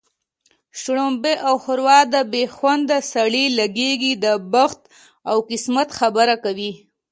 شلومبې او ښوروا د بې خونده سړي لږېږي د بخت او قسمت خبره کوي